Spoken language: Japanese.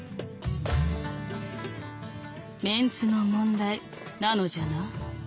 「メンツの問題なのじゃな」。